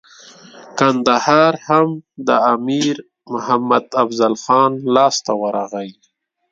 کندهار هم د امیر محمد افضل خان لاسته ورغی.